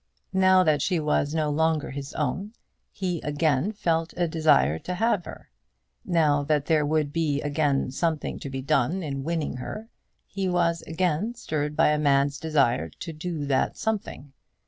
Now that she was no longer his own, he again felt a desire to have her. Now that there would be again something to be done in winning her, he was again stirred by a man's desire to do that something.